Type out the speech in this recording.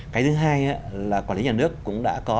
cái thứ hai là quản lý nhà nước cũng đã có